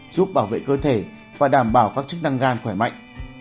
giúp bảo vệ cơ thể và đảm bảo các chức năng gan khỏe mạnh